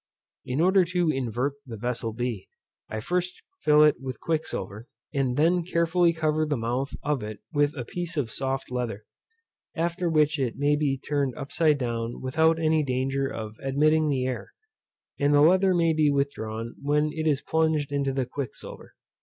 In order to invert the vessel b, I first fill it with quicksilver, and then carefully cover the mouth of it with a piece of soft leather; after which it may be turned upside down without any danger of admitting the air, and the leather may be withdrawn when it is plunged in the quicksilver.